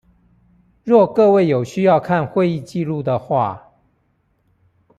若各位有需要看會議紀錄的話